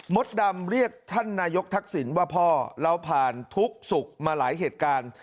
ดำเรียกท่านนายกทักษิณว่าพ่อเราผ่านทุกข์สุขมาหลายเหตุการณ์